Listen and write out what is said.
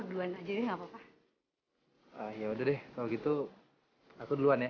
duluan aja deh nggak apa apa yaudah deh kalau gitu aku duluan ya